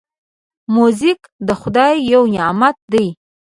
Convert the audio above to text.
موزیک د خدای یو نعمت دی.